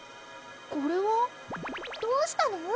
これはどうしたの？